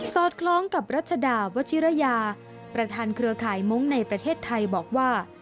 อดคล้องกับรัชดาวัชิรยาประธานเครือข่ายมงค์ในประเทศไทยบอกว่า